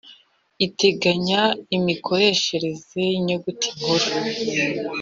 iteganya imikoreshereze y’inyuguti nkuru